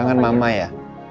kangen mama ya